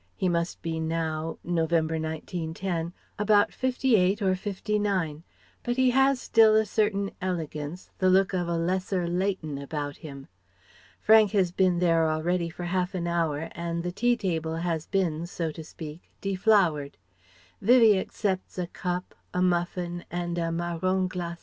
He must be now November, 1910 about fifty eight or fifty nine. But he has still a certain elegance, the look of a lesser Leighton about him. Frank has been there already for half an hour, and the tea table has been, so to speak, deflowered. Vivie accepts a cup, a muffin, and a marron glacé.